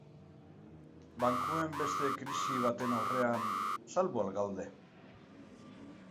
Bankuen beste krisi baten aurrean salbu al gaude?